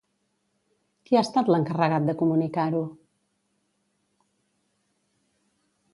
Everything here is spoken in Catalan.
Qui ha estat l'encarregat de comunicar-ho?